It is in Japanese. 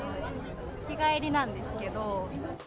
日帰りなんですけど。